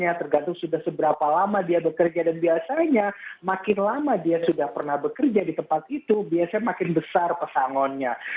ya tergantung sudah seberapa lama dia bekerja dan biasanya makin lama dia sudah pernah bekerja di tempat itu biasanya makin besar pesangonnya